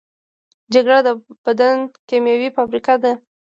جگر د بدن کیمیاوي فابریکه ده.